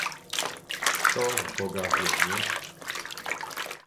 "kto w Boga wierzy!"